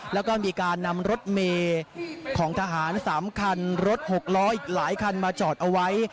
แล้วก็มีการนำรถเมย์ของทหาร๓คันรถ๖ล้ออีกหลายคันมาจอดเอาไว้